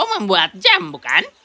untuk membuat jam bukan